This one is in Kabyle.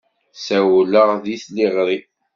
Ssawleɣ deg tliɣri.